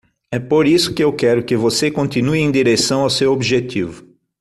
É por isso que quero que você continue em direção ao seu objetivo.